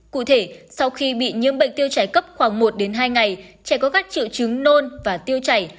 cụ thể sau khi bị nhiễm bệnh tiêu chảy cấp khoảng một đến hai ngày trẻ có các triệu chứng nôn và tiêu chảy